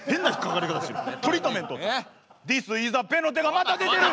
ディスイズアペンの手がまた出てる！